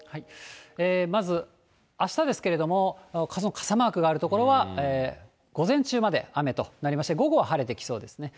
まず、あしたですけれども、傘マークがある所は、午前中まで雨となりまして、午後は晴れてきそうですね。